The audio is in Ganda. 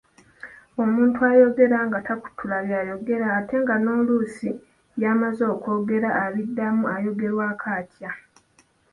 Omuntu ayogera nga takutula by'ayogera ate nga n’oluusi by'amaze okwogera abiddamu ayogerwako atya?